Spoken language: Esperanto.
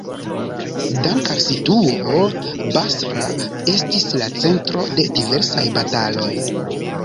Dank al situo, Basra estis la centro de diversaj bataloj.